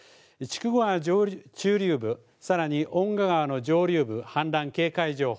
筑後川中流部、さらに遠賀川の上流部、氾濫警戒情報、